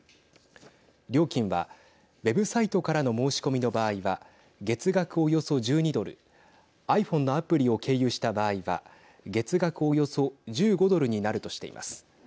料金はウェブサイトからの申し込みの場合は月額およそ１２ドルｉＰｈｏｎｅのアプリを経由した場合は月額およそ１５ドルになるとしています。